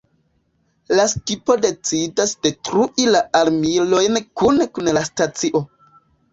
La skipo decidas detrui la armilojn kune kun la stacio.